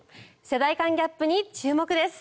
世代間ギャップに注目です。